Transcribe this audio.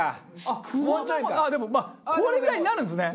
でもこれぐらいになるんですね。